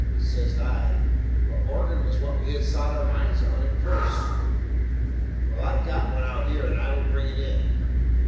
Says I, "A organ was what we had sot our minds on at first." "Well, I have got one out here, and I will bring it in."